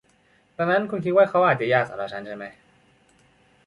ดังนั้นคุณคิดว่าเขาอาจจะยากสำหรับฉันใช่มั้ย